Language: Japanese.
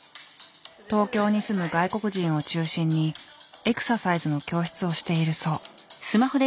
東京に住む外国人を中心にエクササイズの教室をしているそう。